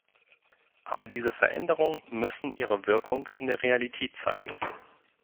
Aber diese Veränderungen müssen ihre Wirkung in der Realität zeigen.